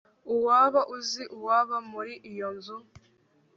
waba uzi uwaba muri iyo nzu